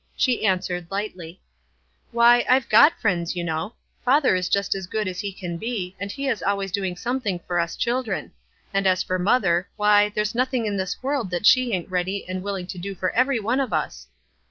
She answered, lightly, — "Why, I've got friends, you know. Father is just as good as he can be, and he is always doing something for us children ; and as for mother, why, there's nothing in this world that she ain't ready and willing to do for every one of us."